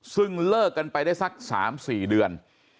ซึ่งเลิกกันไปได้สัก๓๔เดือน